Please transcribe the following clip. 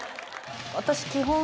私基本。